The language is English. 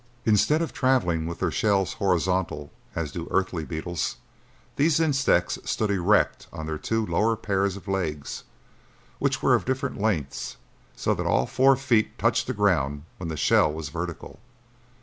Instead of traveling with their shells horizontal as do earthly beetles, these insects stood erect on their two lower pairs of legs, which were of different lengths so that all four feet touched the ground when the shell was vertical.